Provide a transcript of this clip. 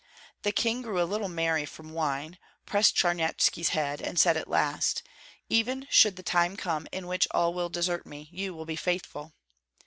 The king grew a little merry from wine, pressed Charnyetski's head, and said at last: 'Even should the time come in which all will desert me, you will be faithful.'